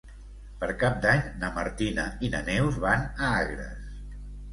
Per Cap d'Any na Martina i na Neus van a Agres.